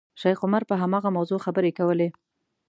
شیخ عمر پر هماغه موضوع خبرې کولې.